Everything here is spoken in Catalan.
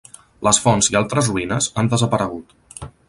Les fonts i altres ruïnes han desaparegut.